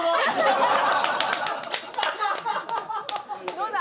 どうだ？